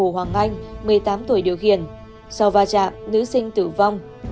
hồ hoàng anh một mươi tám tuổi điều khiển sau va chạm nữ sinh tử vong